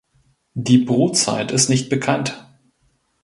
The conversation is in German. Die Brutzeit ist nicht bekannt.